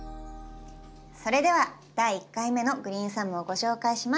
それでは第１回目のグリーンサムをご紹介します。